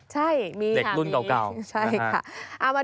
ใช่มีค่ะมีใช่ค่ะเอามาดู